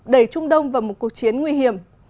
đẩy trung đông vào một cuộc chiến nguy hiểm